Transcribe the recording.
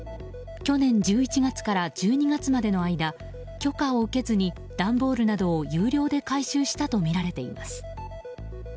去年１１月から１２月までの間許可を受けずに段ボールなどを有料で回収したとみられています。